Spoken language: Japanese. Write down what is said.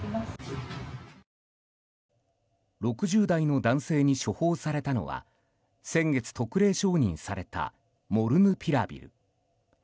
６０代の男性に処方されたのは先月、特例承認されたモルヌピラビル。